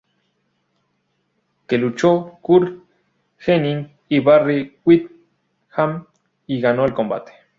Que luchó Curt Hennig y Barry Windham y ganó el combate.